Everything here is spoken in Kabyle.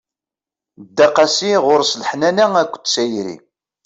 Dda qasi, ɣur-s leḥnana akked tayri.